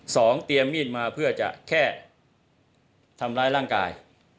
เตรียมมีดมาเพื่อจะแค่ทำร้ายร่างกาย